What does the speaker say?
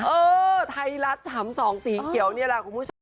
เออไทยรัฐ๓๒สีเขียวนี่แหละคุณผู้ชม